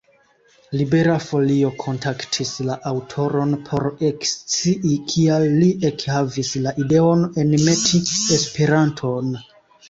Libera Folio kontaktis la aŭtoron por ekscii, kial li ekhavis la ideon enmeti Esperanton.